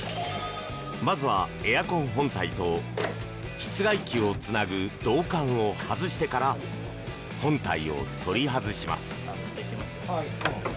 まずは、エアコン本体と室外機をつなぐ銅管を外してから本体を取り外します。